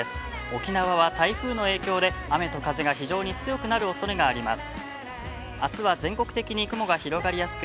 沖縄は台風の影響で雨と風が非常の強くなるおそれがあります。